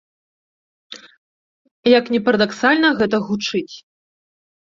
Як ні парадаксальна гэта гучыць.